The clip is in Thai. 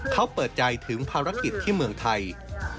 เขาเปิดใจถึงภารกิจที่เมืองไทย